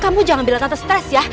kamu jangan bilang tante stres ya